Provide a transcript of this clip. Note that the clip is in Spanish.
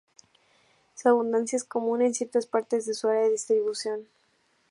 Su abundancia es común en ciertas partes de su área de distribución.